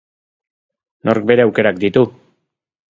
Nork bere aukerak ditu.